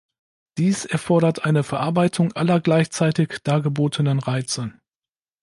Dies erfordert eine Verarbeitung aller gleichzeitig dargebotenen Reize.